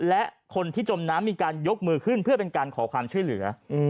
และคนที่จมน้ำมีการยกมือขึ้นเพื่อเป็นการขอความช่วยเหลือ